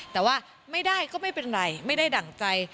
แต่ว่าไม่ได้ก็ไม่เป็นไรไม่ได้ดั่งใจ